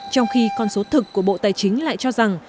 trong khi con số thực của bộ tài chính lại cho rằng